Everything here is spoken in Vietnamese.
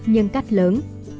nhân cách lớn